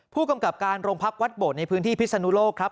ผู้กำกับการโรงพักวัดโบดในพื้นที่พิศนุโลกครับ